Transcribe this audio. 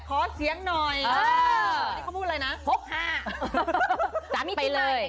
ขอเสียงหน่อย